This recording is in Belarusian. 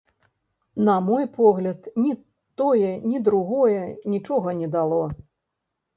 На мой погляд, ні тое, ні другое нічога не дало.